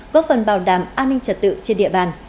góp phần bảo đảm an ninh trật tự trên địa bàn